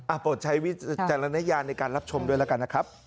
โปรดใช้วิจารณญาณในการรับชมด้วยแล้วกันนะครับ